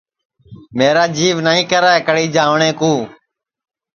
میرا جیو نائی کرے کڑی جاٹؔے کُو